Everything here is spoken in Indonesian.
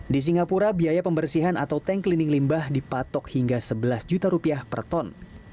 di singapura biaya pembersihan atau tank cleaning limbah dipatok hingga sebelas juta rupiah per ton